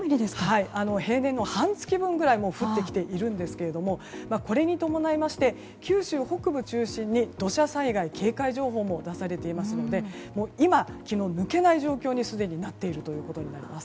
平年の半月分ぐらい降ってきていますがこれに伴いまして九州北部を中心に土砂災害警戒情報も出されていますので今、気の抜けない状況にすでになっています。